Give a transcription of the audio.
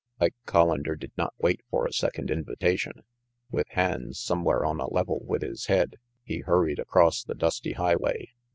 Ike Collander did not wait for a second invitation. With hands somewhere on a level with his head, he hurried across the dusty highway.